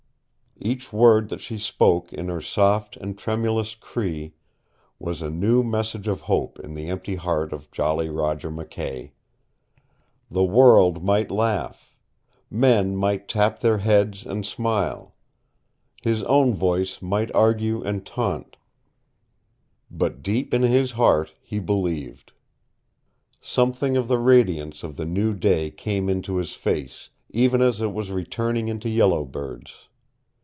Each word that she spoke in her soft and tremulous Cree was a new message of hope in the empty heart of Jolly Roger McKay. The world might laugh. Men might tap their heads and smile. His own voice might argue and taunt. But deep in his heart he believed. Something of the radiance of the new day came into his face, even as it was returning into Yellow Bird's.